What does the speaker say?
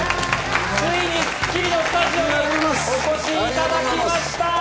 ついに『スッキリ』のスタジオにお越しいただきました。